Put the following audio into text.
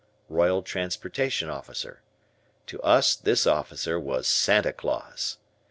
(Royal Transportation Officer). To us this officer was Santa Claus.